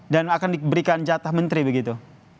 dan akan diberikan jatah menteri begitu